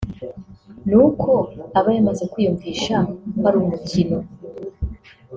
n’uko abayamaze kwiyumvisha ko ari umukino